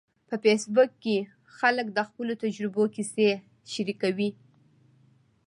په فېسبوک کې خلک د خپلو تجربو کیسې شریکوي.